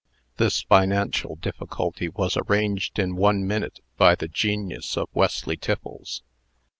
This financial difficulty was arranged in one minute by the genius of Wesley Tiffles.